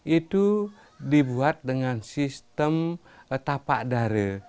itu dibuat dengan sistem tapak dare